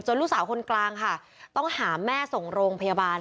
ลูกสาวคนกลางค่ะต้องหาแม่ส่งโรงพยาบาล